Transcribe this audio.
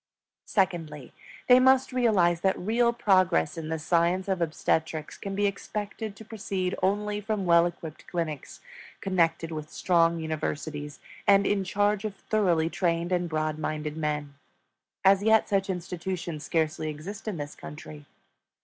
Secondly, they must realize that real progress in the science of obstetrics can be expected to proceed only from well equipped clinics connected with strong universities, and in charge of thoroughly trained and broad minded men. As yet such institutions scarcely exist in this country.